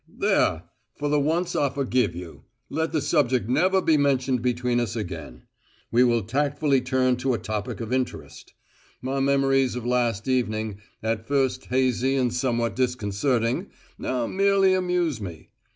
"There! For the once I forgive you. Let the subject never be mentioned between us again. We will tactfully turn to a topic of interest. My memories of last evening, at first hazy and somewhat disconcerting, now merely amuse me.